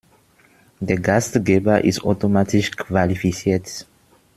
Der Gastgeber ist automatisch qualifiziert.